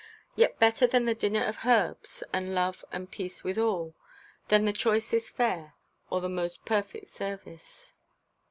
Yet better the dinner of herbs, and love and peace withal, than the choicest fare or the most perfect service.